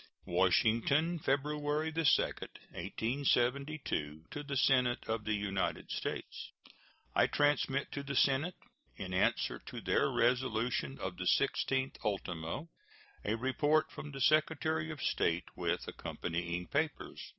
WASHINGTON, February 2, 1872. To the Senate of the United States: I transmit to the Senate, in answer to their resolution of the 16th ultimo, a report from the Secretary of State, with accompanying papers.